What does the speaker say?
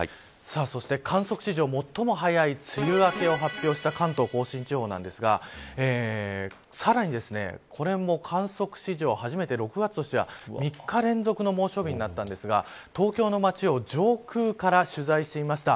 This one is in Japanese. そして観測史上最も早い梅雨明けを発表した関東甲信地方ですがさらにこれも、観測史上初めて６月としては３日連続の猛暑日になったんですが東京の街を上空から取材してみました。